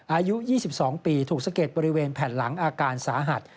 อายุ๒๒ปีถูกสะเก็ดบริเวณแผ่นหลังอาการสาหัส